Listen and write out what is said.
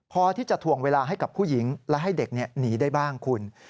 พอที่จะถ่วงเวลาให้กับผู้หญิงและให้เด็กหนีได้บ้างคุณ